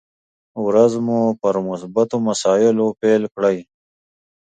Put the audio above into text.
ورځ مو پر مثبتو مسايلو پيل کړئ!